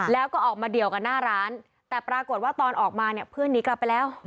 แล้วก็ออกมาเดี่ยวกันหน้าร้านแต่ปรากฏว่าตอนออกมาเนี่ยเพื่อนหนีกลับไปแล้ว